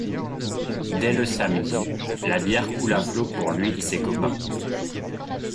Dès le samedi, la bière coule à flots pour lui et ses copains.